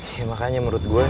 ya makanya menurut gue